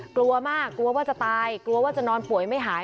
กลัวมากกลัวว่าจะตายกลัวว่าจะนอนป่วยไม่หาย